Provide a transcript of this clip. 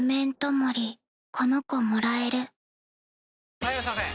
・はいいらっしゃいませ！